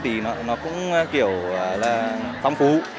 thông tin nó cũng kiểu là phong phú